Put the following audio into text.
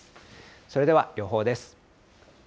それでは予報です。